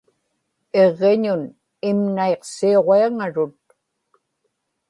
iġġiñun imnaiqsiuġiaŋarut